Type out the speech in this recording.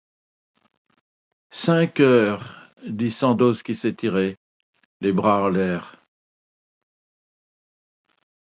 Cinq heures, dit Sandoz qui s'étirait, les bras en l'air.